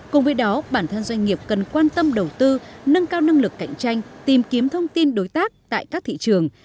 cùng với đó bản thân doanh nghiệp cần quan tâm đầu tư nâng cao năng lực cạnh tranh tìm kiếm thông tin đối tác tại các thị trường